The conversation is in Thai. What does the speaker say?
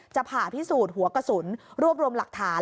ผ่าพิสูจน์หัวกระสุนรวบรวมหลักฐาน